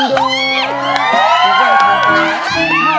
ไม่ควรไม่ได้ได้